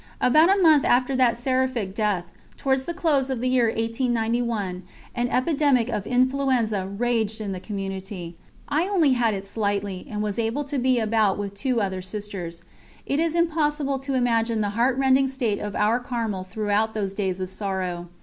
About a month after that seraphic death, towards the close of the year 1891, an epidemic of influenza raged in the Community; I only had it slightly and was able to be about with two other Sisters. It is impossible to imagine the heartrending state of our Carmel throughout those days of sorrow.